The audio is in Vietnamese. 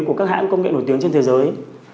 của các hãng công nghệ nổi tiếng trên thế giới